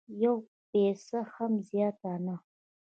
یوه پیسه هم زیاته نه